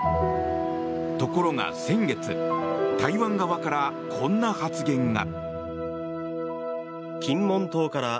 ところが、先月台湾側からこんな発言が。